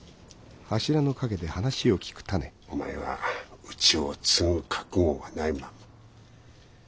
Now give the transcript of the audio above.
お前はうちを継ぐ覚悟がないままそのまんま